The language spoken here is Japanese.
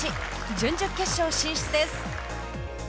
準々決勝進出です。